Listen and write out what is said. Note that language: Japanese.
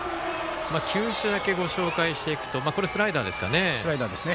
球種だけご紹介していくと今のはスライダーですかね。